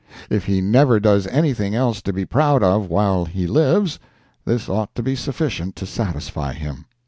If he never does anything else to be proud of while he lives, this ought to be sufficient to satisfy him.